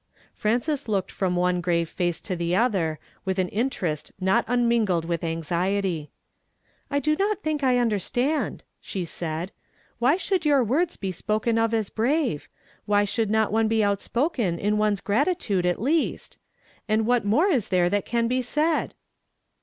Frances looked from one grcve face to the other, with an interest not unmingled will) anxiety. " I do not tliink I understand," she said. " Why should your words be spoken of as Jn ave? Why should not one be outspoken in one's gratitude, at least ? And what more is there that can be said?